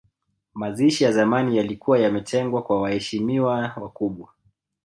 Mazishi ya zamani yalikuwa yametengwa kwa waheshimiwa wakubwa